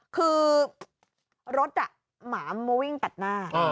คือรถหมามาวิ่งตัดหน้า